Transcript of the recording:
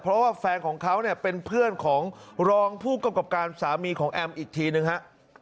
เพราะว่าแฟนของเขาเนี่ยเป็นเพื่อนของรองผู้กำกับการสามีของแอมอีกทีนึงฮะ